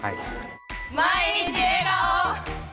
「毎日笑顔」。